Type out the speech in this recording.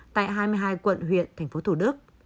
tại hai mươi hai quận huyện tp thủ đức